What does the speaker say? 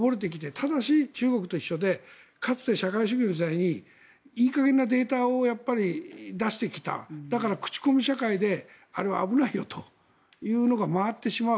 ただし、中国と違ってかつて社会主義の時代にいい加減なデータを出してきただから口コミ社会であれは危ないよというのが回ってしまう。